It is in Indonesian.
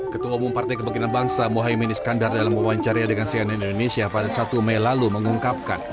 ketua umum partai kebangkitan bangsa mohaimin iskandar dalam wawancaria dengan cnn indonesia pada satu mei lalu mengungkapkan